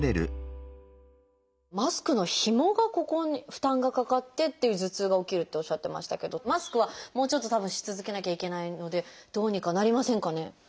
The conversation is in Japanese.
マスクのひもがここに負担がかかってっていう頭痛が起きるっておっしゃってましたけどマスクはもうちょっとたぶんし続けなきゃいけないのでどうにかなりませんかね？